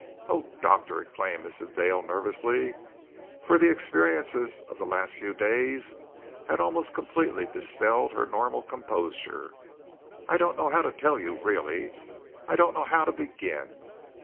"Oh, doctor," exclaimed Mrs. Dale nervously, for the experiences of the last few days had almost completely dispelled her normal composure, "I don't know how to tell you, really. I don't know how to begin.